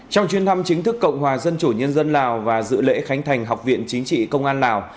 trong chuyến thăm chính thức cộng hòa dân chủ nhân dân lào và dự lễ khánh thành học viện chính trị công an lào